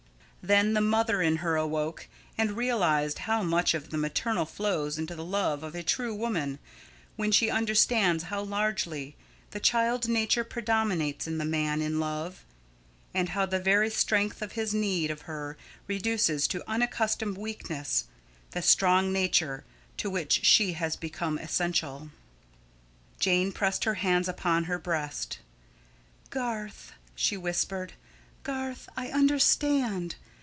Then the mother in her awoke and realised how much of the maternal flows into the love of a true woman when she understands how largely the child nature predominates in the man in love, and how the very strength of his need of her reduces to unaccustomed weakness the strong nature to which she has become essential. Jane pressed her hands upon her breast. "Garth," she whispered, "Garth, I UNDERSTAND.